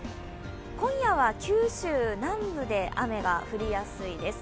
今夜は九州南部で雨が降りやすいです。